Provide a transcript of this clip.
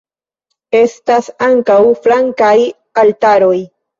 Estas ankaŭ flankaj altaroj.